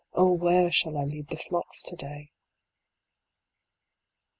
Oh where shall I lead the flocks to day